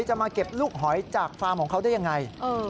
จะมาเก็บลูกหอยจากฟาร์มของเขาได้ยังไง